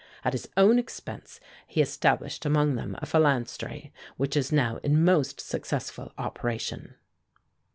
At his own expense he established among them a Phalanstrie, which is now in most successful operation."